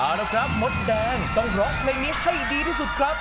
เอาละครับมดแดงต้องร้องเพลงนี้ให้ดีที่สุดครับ